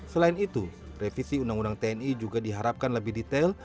selain itu revisi undang undang tni juga diharapkan lebih detail